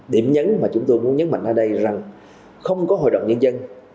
điểm nhấn mà chúng tôi muốn nhấn mạnh ở đây là không có hội đồng nhân dân